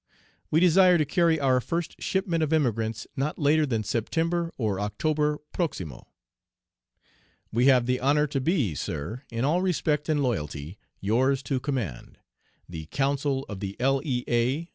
We desire to carry our first shipment of emigrants not later than September or October proximo. We have the honor to be, Sir, in all respect and loyalty, yours to command. The Council of the L. E. A.